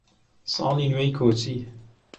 ساڵی نوێی کۆچی